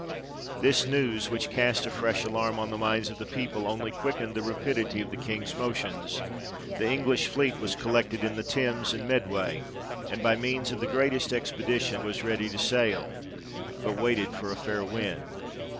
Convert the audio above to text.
This news, which cast a fresh alarm on the minds of the people, only quickened the rapidity of the King's motions. The English fleet was collected in the Thames and Medway, and by means of the greatest expedition, was ready to sail, but waited for a fair wind.